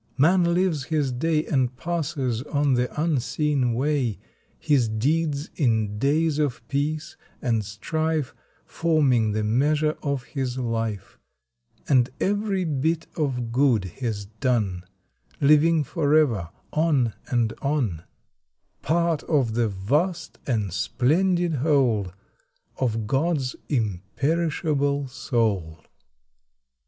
Man lives his day And passes on the unseen way, His deeds in days of peace and strife Forming the measure of his life; And every bit of good he s done Living forever, on and on, Part of the vast and splendid whole Of God s imperishable Soul.